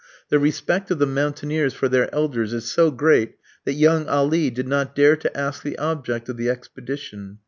The respect of the mountaineers for their elders is so great that young Ali did not dare to ask the object of the expedition.